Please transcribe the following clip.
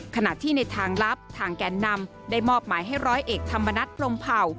ขณะที่ในทางลับทางแกนนำได้มอบหมายให้ร้อยเอกธรรมนัฐพรมเผ่า